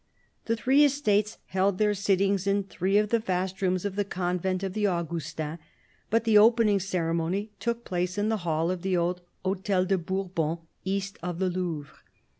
The three Estates held their sittings in three of the vast rooms of the Convent of the Augustins, but the opening ceremony took place in the hall of the old Hotel de Bourbon, east of the Louvre.